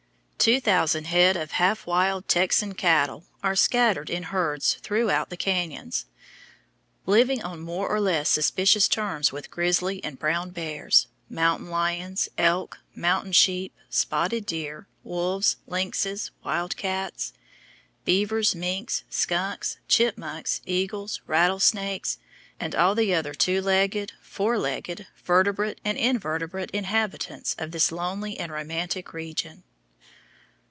Two thousand head of half wild Texan cattle are scattered in herds throughout the canyons, living on more or less suspicious terms with grizzly and brown bears, mountain lions, elk, mountain sheep, spotted deer, wolves, lynxes, wild cats, beavers, minks, skunks, chipmunks, eagles, rattlesnakes, and all the other two legged, four legged, vertebrate, and invertebrate inhabitants of this lonely and romantic region.